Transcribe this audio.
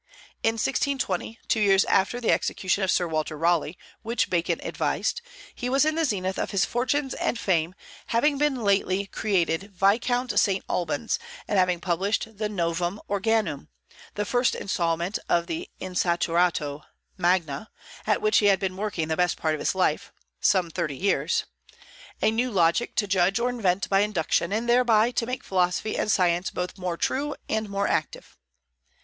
In 1620, two years after the execution of Sir Walter Raleigh, which Bacon advised, he was in the zenith of his fortunes and fame, having been lately created Viscount St. Albans, and having published the "Novum Organum," the first instalment of the "Instauratio Magna," at which he had been working the best part of his life, some thirty years, "A New Logic, to judge or invent by induction, and thereby to make philosophy and science both more true and more active."